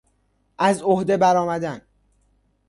از عهده برآمدن